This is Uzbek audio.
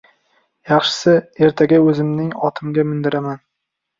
Yaxshisi, ertaga o‘zimning otimga mindiraman.